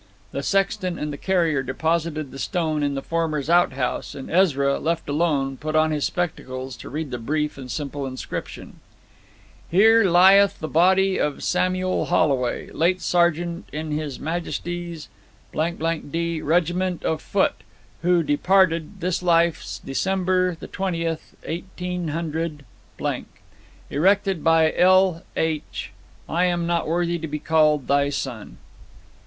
The sexton and the carrier deposited the stone in the former's outhouse; and Ezra, left alone, put on his spectacles and read the brief and simple inscription: HERE LYETH THE BODY OF SAMUEL HOLWAY, LATE SERGEANT IN HIS MAJESTY'S D REGIMENT OF FOOT, WHO DEPARTED THIS LIFE DECEMBER THE 20TH, 180 . ERECTED BY L. H. 'I AM NOT WORTHY TO BE CALLED THY SON.'